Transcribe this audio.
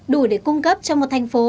đủ để cung cấp cho một thành phố